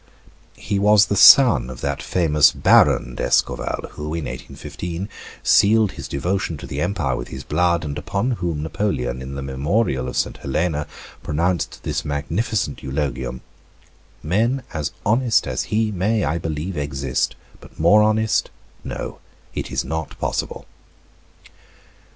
He was the son of that famous Baron d'Escorval, who, in 1815, sealed his devotion to the empire with his blood, and upon whom Napoleon, in the Memorial of St. Helena, pronounced this magnificent eulogium: "Men as honest as he may, I believe, exist; but more honest, no, it is not possible."